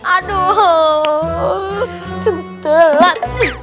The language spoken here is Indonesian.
aduh sungguh telat